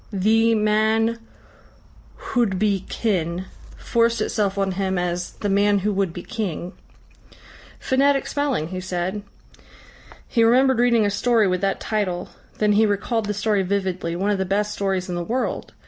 "Thi Man huwdbi Kin" forced itself on him as "The Man who would be King." "Phonetic spelling," he said. He remembered reading a story with that title, then he recalled the story vividly, one of the best stories in the world.